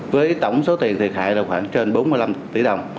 với tổng số tiền thiệt hại là khoảng trên bốn mươi năm tỷ đồng